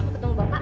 mau ketemu bapak